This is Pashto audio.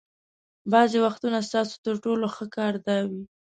بعضې وختونه ستاسو تر ټولو ښه کار دا وي.